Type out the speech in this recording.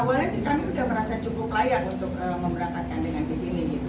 awalnya kami sudah merasa cukup layak untuk berangkatkan dengan bis ini